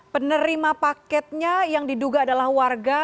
penerima paketnya yang diduga adalah warga